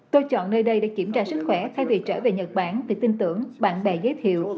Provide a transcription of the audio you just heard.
tôi chọn nơi đây để kiểm tra sức khỏe thay vì trở về nhật bản vì tin tưởng bạn bè giới thiệu